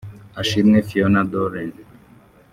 Ashimwe Fiona Doreen